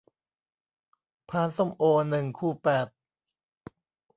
พานส้มโอ หนึ่ง คู่ แปด